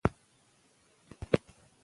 کرکټر په دوه ډوله دئ، اصلي اوفرعي ورته وايي.